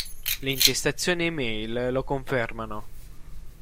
Le intestazioni e-mail lo confermano.